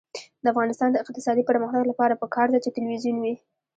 د افغانستان د اقتصادي پرمختګ لپاره پکار ده چې تلویزیون وي.